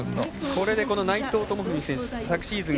これで内藤智文選手昨シーズン